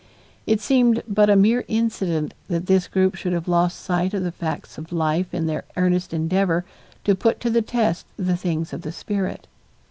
It seemed but a mere incident that this group should have lost sight of the facts of life in their earnest endeavor to put to the test the things of the spirit.